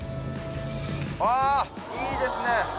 あぁいいですね。